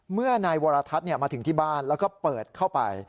เมื่อนายวรทัศน์มาถึงที่บ้านแล้วก็เปิดเข้าไป